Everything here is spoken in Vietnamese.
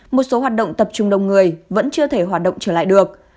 một số hoạt động tập trung đông người vẫn chưa thể hoạt động trở lại được